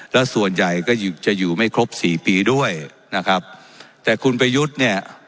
แล้วส่วนใหญ่ก็จะอยู่ไม่ครบสี่ปีด้วยนะครับแต่คุณประยุทธ์เนี่ย